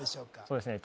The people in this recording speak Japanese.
そうですね